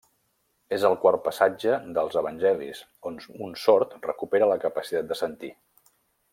És el quart passatge dels evangelis on un sord recupera la capacitat de sentir.